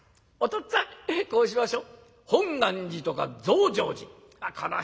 っつぁんこうしましょう。